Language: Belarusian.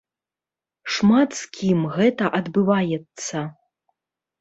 Шмат з кім гэта адбываецца.